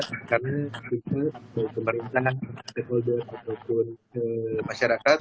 sehingga kemerdekaan stakeholder ataupun masyarakat